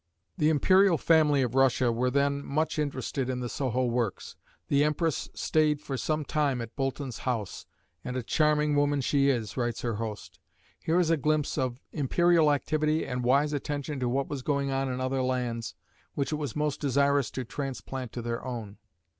The imperial family of Russia were then much interested in the Soho works. The empress stayed for some time at Boulton's house, "and a charming woman she is," writes her host. Here is a glimpse of imperial activity and wise attention to what was going on in other lands which it was most desirous to transplant to their own.